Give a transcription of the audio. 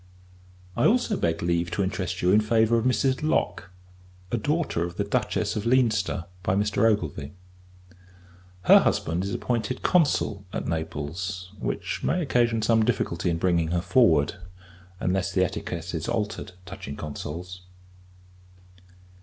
I also beg leave to interest you in favour of Mrs. Lock; a daughter of the Duchess of Leinster, by Mr. Ogilvie. Her husband is appointed Consul at Naples; which may occasion some difficulty in bringing her forward, unless the etiquette is altered touching Consuls.